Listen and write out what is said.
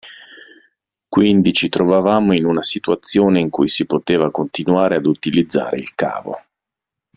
Quindi ci trovavamo in una situazione in cui si poteva continuare ad utilizzare il cavo.